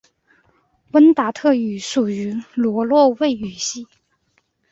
温达特语属于易洛魁语系。